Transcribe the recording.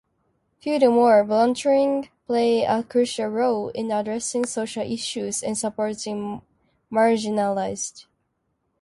Furthermore, volunteering plays a crucial role in addressing social issues and supporting marginalized groups.